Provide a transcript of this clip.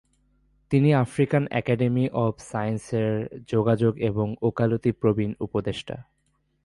তিনি African Academy of সায়েন্সেসের যোগাযোগ এবং ওকালতি প্রবীন উপদেষ্টা।